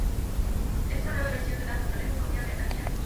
Es una nueva versión de "La fortaleza escondida" de Akira Kurosawa.